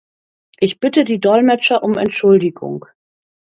Ich bitte die Dolmetscher um Entschuldigung.